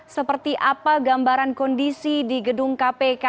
seperti apa gambaran kondisi di gedung kpk